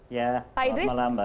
ya selamat malam mbak